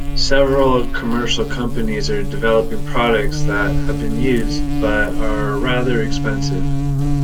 Several commercial companies are developing products that have been used, but are rather expensive.